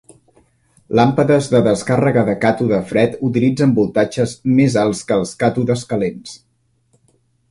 Làmpades de descàrrega de càtode fred utilitzen voltatges més alts que els càtodes calents.